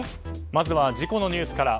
まずは事故のニュースから。